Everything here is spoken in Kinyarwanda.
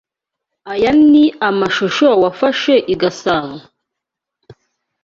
Aya ni amashusho wafashe i Gasabo?